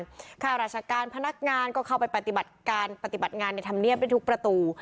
ข้าราชการพนักงานก็เข้าไปปฏิบัติการปฏิบัติงานในธรรมเนียบได้ทุกประตู